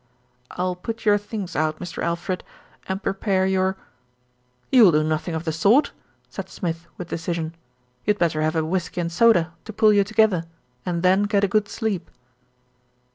"I'll put your things out, Mr. Alfred, and prepare your " "You'll do nothing of the sort," said Smith with de cision. "You had better have a whisky and soda to pull you together, and then get a good sleep."